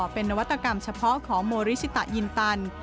เป็นนวัตกรรมเฉพาะของโมริชิตายินตัน